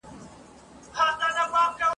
نورو ته هغه څه ور زده کړئ، چي تاسو ئې زده کوئ.